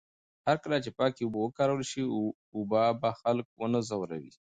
هرکله چې پاکې اوبه وکارول شي، وبا به خلک ونه ځوروي.